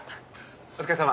お疲れさま。